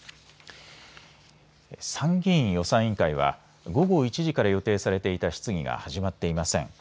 参議院予算委員会は午後１時から予定されていた質疑が始まっていません。